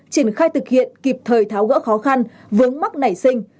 triển khai thực hiện kịp thời tháo gỡ khó khăn vướng mắc nảy sinh